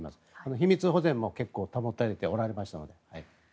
秘密保全も結構保たれていましたので。